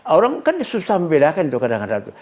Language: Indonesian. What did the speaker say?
orang kan susah membedakan itu kadang kadang